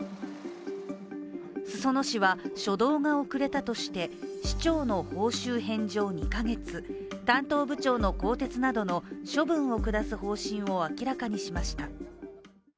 裾野市は初動が遅れたとして市長の報酬返上２か月、担当部長の更迭などの処分を下す方針を明らかにしました。